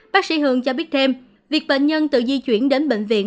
bác sĩ hương cho biết thêm việc bệnh nhân tự di chuyển đến bệnh viện